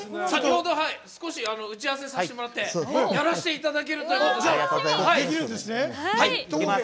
先ほど、少し打ち合わせさせてもらってやらせていただけるということで。